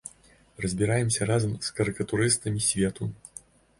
Разбіраемся разам з карыкатурыстамі свету.